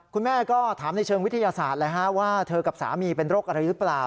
คุณแม่ก็ถามในเชิงวิทยาศาสตร์เลยฮะว่าเธอกับสามีเป็นโรคอะไรหรือเปล่า